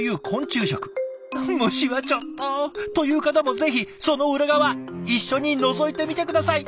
虫はちょっとという方もぜひその裏側一緒にのぞいてみて下さい！